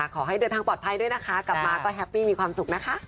ขอให้เดินทางปลอดภัยด้วยนะคะกลับมาก็แฮปปี้มีความสุขนะคะ